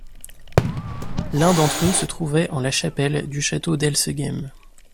L'un d'entre eux se trouvait en la chapelle du château d'Elsegem.